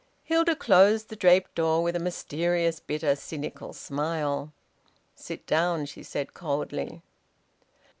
Hilda closed the draped door with a mysterious, bitter, cynical smile. "Sit down," she said coldly.